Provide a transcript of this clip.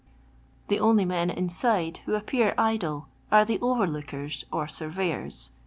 The only I men inside who appear idle are the over lookers, , or surveyors.